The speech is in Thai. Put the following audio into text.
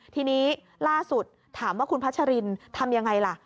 ทีนี้ล่าสุดถามว่าคุณพัชรินทำยังไงล่ะ